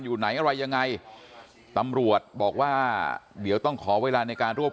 อยู่ไหนอะไรยังไงตำรวจบอกว่าเดี๋ยวต้องขอเวลาในการรวบ